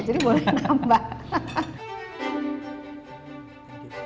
jadi boleh nambah